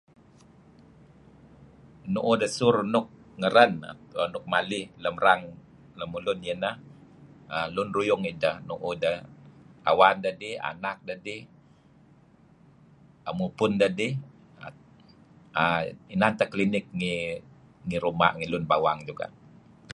nuuh desur nuk ngeren nuk malih lem rang lemulun ieh ineh um lun ruyung ideh nuuh deh awan deh dih anak deh dih mupun deh dih um inan klinik ngi ruma ngi lem bawang